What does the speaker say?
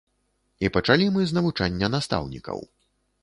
І пачалі мы з навучання настаўнікаў.